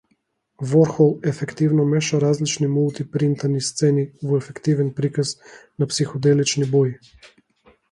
Ворхол ефективно меша различни мулти-принтани сцени во ефективен приказ на психоделични бои.